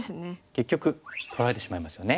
結局取られてしまいますよね。